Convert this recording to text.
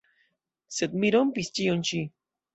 Sed mi rompis ĉion ĉi.